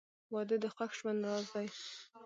• واده د خوښ ژوند راز دی.